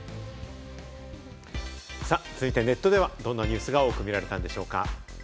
さあ、続いてネットではどんなニュースが多く見られたんでしょうか。